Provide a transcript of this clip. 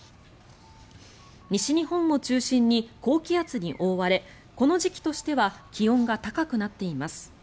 西日本を中心に高気圧に覆われこの時期としては気温が高くなっています。